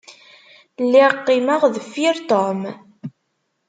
Lliɣ qqimeɣ deffir Tom.